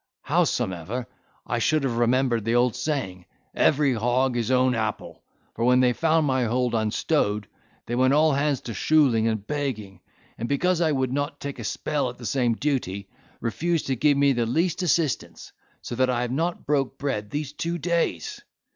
Howsomever, I should have remembered the old saying, every hog his own apple; for when they found my hold unstowed, they went all hands to shooling and begging; and, because I would not take a spell at the same duty, refused to give me the least assistance; so that I have not broke bread these two days."